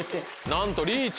なんとリーチ。